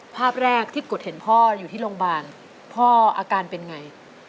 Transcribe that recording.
ภาพแรกที่กดเห็นพ่ออยู่ที่โรงพยาบาลพ่ออาการเป็นไง